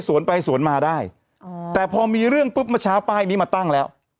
สวนไปสวนมาได้แต่พอมีเรื่องปฏิบัติชาวไปนี่มาตั้งแล้ว